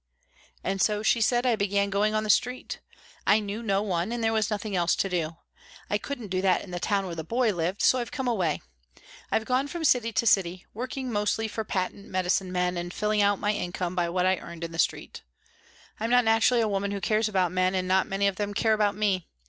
"And so," she said, "I began going on the street. I knew no one and there was nothing else to do. I couldn't do that in the town where the boy lived, so I came away. I've gone from city to city, working mostly for patent medicine men and filling out my income by what I earned in the streets. I'm not naturally a woman who cares about men and not many of them care about me.